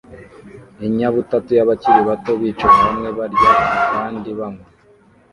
Inyabutatu y'abakiri bato bicaye hamwe barya kandi banywa